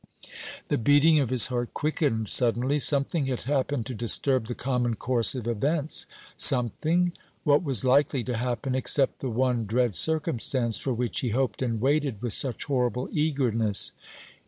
The beating of his heart quickened suddenly. Something had happened to disturb the common course of events. Something? What was likely to happen, except the one dread circumstance for which he hoped and waited with such horrible eagerness?